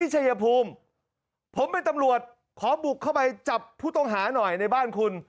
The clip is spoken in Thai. ชัยภูมิผมเป็นตำรวจขอบุกเข้าไปจับผู้ต้องหาหน่อยในบ้านคุณ